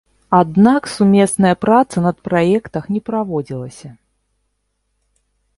Аднак сумесная праца над праектах не праводзілася.